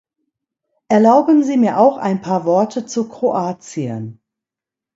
Erlauben Sie mir auch ein paar Worte zu Kroatien.